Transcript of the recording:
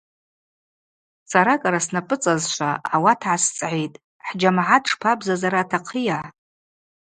Сара, кӏара снапӏыцӏазшва, ауат гӏасцӏгӏитӏ,–хӏджьамгӏат шпабзазара атахъыйа?